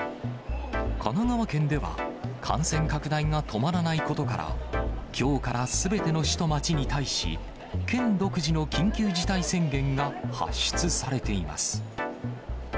神奈川県では、感染拡大が止まらないことから、きょうからすべての市と町に対し、県独自の緊急事態宣言が発出されています。